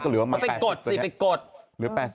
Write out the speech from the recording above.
ออกมาตั้งแต่๘๐บาท